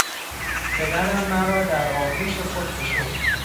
پدرم مرا در آغوش خود فشرد.